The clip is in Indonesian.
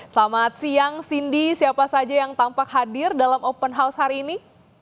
selamat siang cindy siapa saja yang tampak hadir dalam open house hari ini